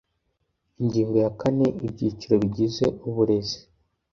ingingo ya kane ibyiciro bigize uburezi